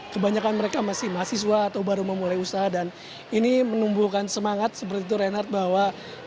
kebanyakan mereka masih mahasiswa atau baru memulai usaha dan ini menumbuhkan semangat seperti itu reinhardt bahwa